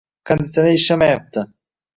Konditsioner ishlamayapti.